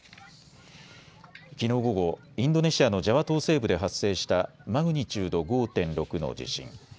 きのう午後、インドネシアのジャワ島西部で発生したマグニチュード５．６の地震。